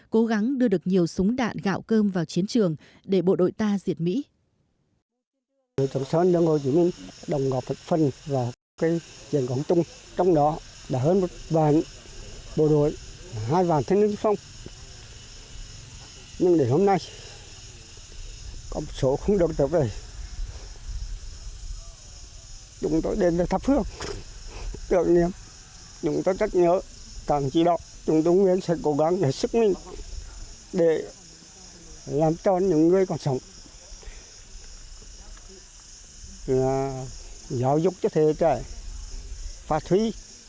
cố gắng đưa được nhiều súng đạn gạo cơm vào chiến trường để bộ đội ta diệt mỹ